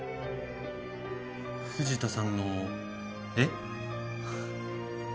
藤田さんの絵。